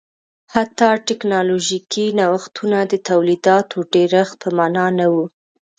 حتی ټکنالوژیکي نوښتونه د تولیداتو ډېرښت په معنا نه و